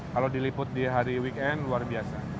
kalau diliput di hari weekend luar biasa